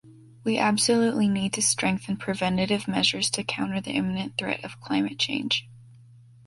We absolutely need to strengthen preventive measures to counter the imminent threat of climate change.